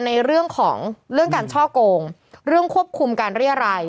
ในเรื่องของเรื่องการช่อกงเรื่องควบคุมการเรียรัย